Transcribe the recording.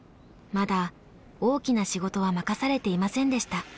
まだ大きな仕事は任されていませんでした。